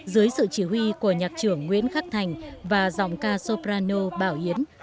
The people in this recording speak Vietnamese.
dưới sự chỉ huy của nhạc trưởng nguyễn khắc thành và giọng ca soprano bảo yến